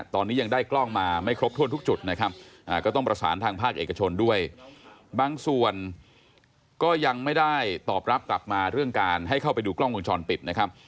ตอนนี้ยังได้กล้องมาไม่ครบถ้วนทุกจุดนะครับก็ต้องประสานทางภาคเอกชนด้วยบางส่วนก็ยังไม่ได้ตอบรับกลับมาเรื่องการให้เข้าไปดูกล้องวงจรปิดนะครับ